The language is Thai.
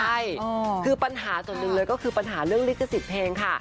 ใช่คือปัญหาส่วนหนึ่งเลยก็คือปัญหาเรื่องลิขสิทธิ์เพลงค่ะ